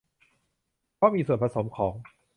เพราะมีส่วนผสมของ